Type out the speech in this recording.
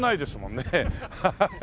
ハハハ